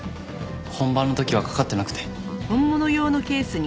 本番の時はかかってなくて。